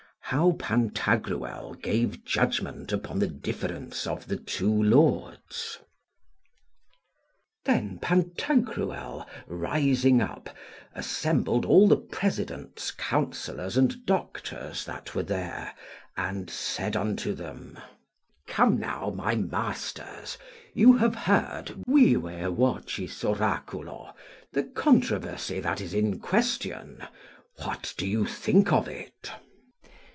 How Pantagruel gave judgment upon the difference of the two lords. Then Pantagruel, rising up, assembled all the presidents, counsellors, and doctors that were there, and said unto them, Come now, my masters, you have heard vivae vocis oraculo, the controversy that is in question; what do you think of it?